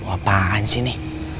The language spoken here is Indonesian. apaan sih ini